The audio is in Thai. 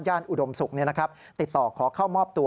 อุดมศุกร์ติดต่อขอเข้ามอบตัว